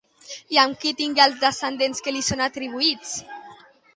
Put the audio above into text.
I amb qui tingué els descendents que li són atribuïts?